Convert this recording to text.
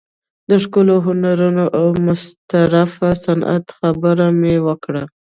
د ښکلو هنرونو او مستطرفه صنعت خبره مې وکړه.